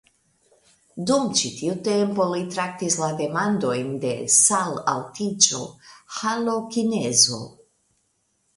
Dum ĉi tiu tempo li traktis la demandojn de salaltiĝo (halokinezo).